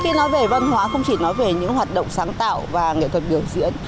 khi nói về văn hóa không chỉ nói về những hoạt động sáng tạo và nghệ thuật biểu diễn